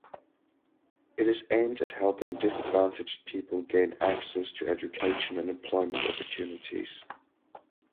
It is aimed at helping disadvantaged people gain access to education and employment opportunities.